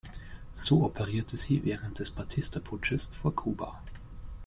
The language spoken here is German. So operierte sie während des Batista-Putsches vor Kuba.